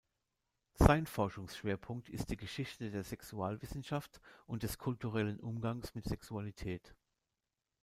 Sein Forschungsschwerpunkt ist die Geschichte der Sexualwissenschaft und des kulturellen Umgangs mit Sexualität.